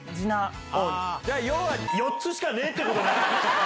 要は４つしかねえってことな。